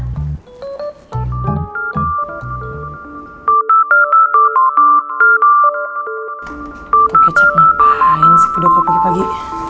ketuk kecap ngapain sih udah kok pagi pagi